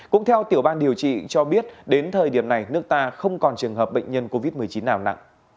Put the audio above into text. cũng theo tiểu ban điều trị cho biết đến thời điểm này nước ta không còn trường hợp bệnh nhân covid một mươi chín nào nặng